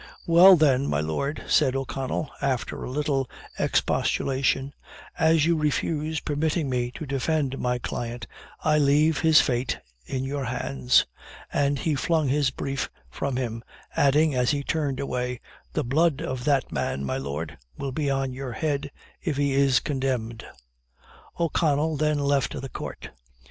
"Well, then, my lord," said O'Connell, after a little expostulation, "as you refuse permitting me to defend my client, I leave his fate in your hands;" and he flung his brief from him, adding, as he turned away, "the blood of that man, my lord, will be on your head, if he is condemned." O'Connell then left the Court.